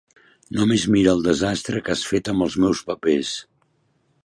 Només mira el desastre que has fet amb els meus papers.